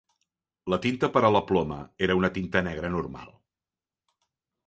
La tinta per a la ploma era una tinta negra normal.